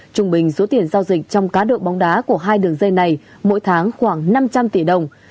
trung bình số tiền giao dịch trong cá độ bóng đá của hai đường dây này mỗi tháng khoảng năm trăm linh tỷ đồng